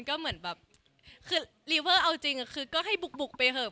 คือลิเวอร์เอาจริงก็ให้บุกไปเถอะ